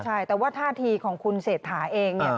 ใช่แต่ว่าท่าทีของคุณเศรษฐาเอง